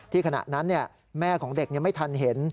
ขณะนั้นแม่ของเด็กยังไม่ทันเห็น